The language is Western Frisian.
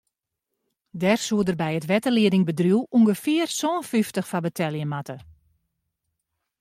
Dêr soed er by it wetterliedingbedriuw ûngefear sân fyftich foar betelje moatte.